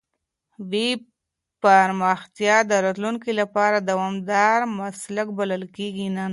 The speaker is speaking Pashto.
ویب پرمختیا د راتلونکي لپاره دوامدار مسلک بلل کېږي نن.